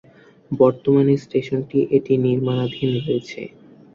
বর্তমানে স্টেশনটি এটি নির্মাণাধীন রয়েছে।